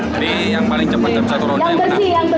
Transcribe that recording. jadi yang paling cepat satu ronde yang menang